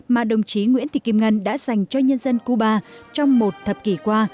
mà đồng chí nguyễn thị kim ngân đã dành cho nhân dân cuba trong một thập kỷ qua